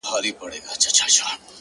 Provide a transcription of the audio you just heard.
ستا پر مخ د وخت گردونو کړی شپول دی;